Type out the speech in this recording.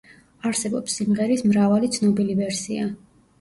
არსებობს სიმღერის მრავალი ცნობილი ვერსია.